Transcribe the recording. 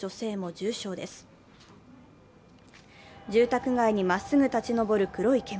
住宅街にまっすぐ立ち上る黒い煙。